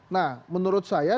nah menurut saya